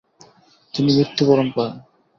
তিনি মৃত্যু বরন করেন।